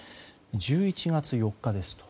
１１月４日ですと。